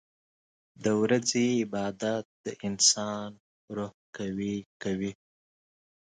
• د ورځې عبادت د انسان روح قوي کوي.